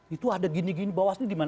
itu ada gini gini bawaslu di mana